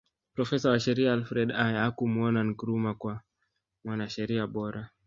Profesa wa sheria Alfred Ayer hakumuona Nkrumah kuwa mwanasheria bora